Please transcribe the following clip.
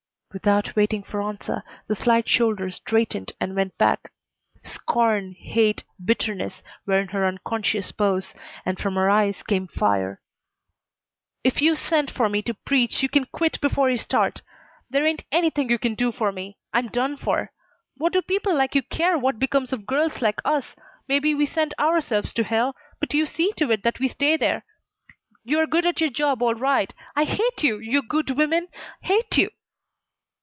Without waiting for answer the slight shoulders straightened and went back. Scorn, hate, bitterness were in her unconscious pose, and from her eyes came fire. "If you sent for me to preach you can quit before you start. There ain't anything you can do for me. I'm done for. What do people like you care what becomes of girls like us? Maybe we send ourselves to hell, but you see to it that we stay there. You're good at your job all right. I hate you you good women! Hate you!"